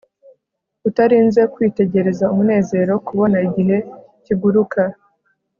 utarinze kwitegereza umunezero, kubona igihe kiguruka